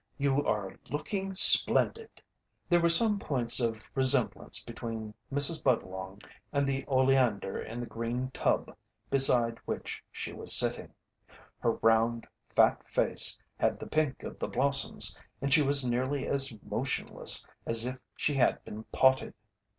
You are looking splendid!" There were some points of resemblance between Mrs. Budlong and the oleander in the green tub beside which she was sitting. Her round, fat face had the pink of the blossoms and she was nearly as motionless as if she had been potted.